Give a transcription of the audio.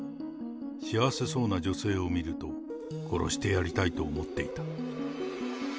幸せそうな女性を見ると、殺してやりたいと思っていた。